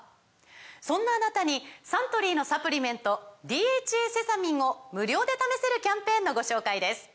そんなあなたにサントリーのサプリメント「ＤＨＡセサミン」を無料で試せるキャンペーンのご紹介です